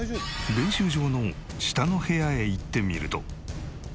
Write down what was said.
練習場の下の部屋へ行ってみると。